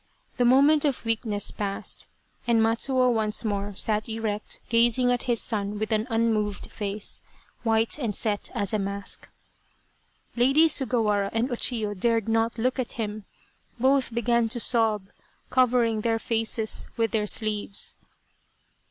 The moment of weakness passed, and Matsuo once more sat erect, gazing at his son with an unmoved face, white and set as a mask. Lady Sugawara and O Chiyo dared not look at him. Both began to sob, covering their faces with their sleeves.